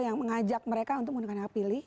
yang mengajak mereka untuk menggunakan apilih